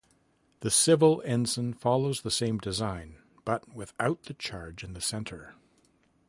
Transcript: The civil ensign follows the same design, but without the charge in the center.